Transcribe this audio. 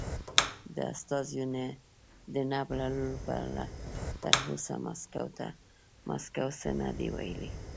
د استازیو د نه بللو په اړه تر اوسه مسکو څه نه دې ویلي.